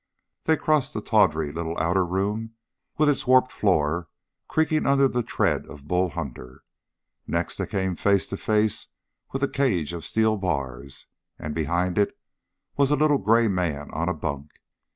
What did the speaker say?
They crossed the tawdry little outer room with its warped floor creaking under the tread of Bull Hunter. Next they came face to face with a cage of steel bars, and behind it was a little gray man on a bunk.